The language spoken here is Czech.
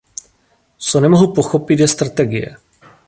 Co nemohu pochopit, je strategie.